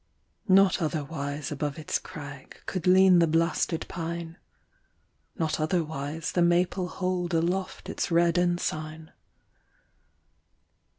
Not otherwise above its crag Could lean the blasted pine; Not otherwise the maple hold Aloft its red ensign.